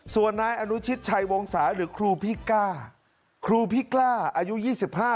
ส่วนนายอนุชิตชัยวงศาหรือครูพี่กล้าครูพี่กล้าอายุยี่สิบห้า